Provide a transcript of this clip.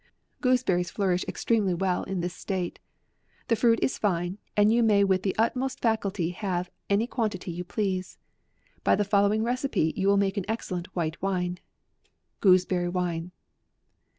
Gooseberries flourish extremely w T ell in this state. The fruit is fine, and you may with the utmost facility have any quantity you please. By the following recipe you will make an excellent white wine. GOOSEBERRY WINE.